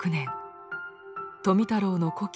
富太郎の故郷